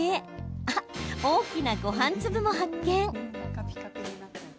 あ、大きなごはん粒も発見！